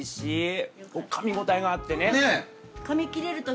かみ応えがあってね。